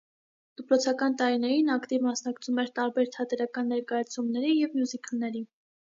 Դպրոցական տարիներին ակտիվ մասնակցում էր տարբեր թատերական ներկայացումների և մյուզիքլների։